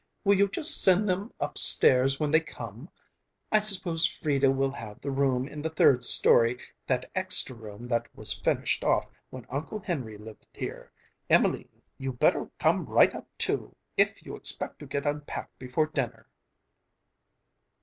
Will you just send them upstairs when they come! I suppose Frieda will have the room in the third story, that extra room that was finished off when Uncle Henry lived here. Emelene, you'd better come right up, too, if you expect to get unpacked before dinner."